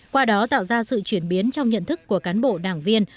qua đó tạo ra sự chuyển biến trong nhận thức của cán bộ đảng viên